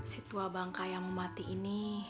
si tua bangka yang memati ini